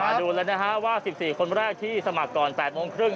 มาดูแล้วนะฮะว่า๑๔คนแรกที่สมัครก่อน๘โมงครึ่ง